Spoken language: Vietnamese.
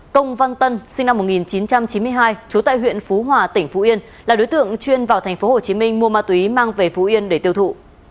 công văn tân sinh năm một nghìn chín trăm chín mươi hai trú tại huyện phú hòa tỉnh phú yên là đối tượng chuyên vào tp hcm mua ma túy mang về phú yên để tiêu thụ